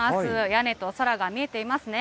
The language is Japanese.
屋根と空が見えていますね。